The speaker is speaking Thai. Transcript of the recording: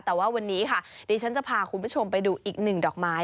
แต่ว่าวันนี้ค่ะดิฉันจะพาคุณผู้ชมไปดูอีกหนึ่งดอกไม้